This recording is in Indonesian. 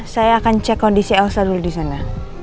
saya akan cek kondisi elsa dulu disana